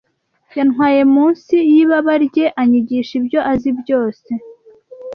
Yantwaye munsi y’ibaba rye anyigisha ibyo azi byose.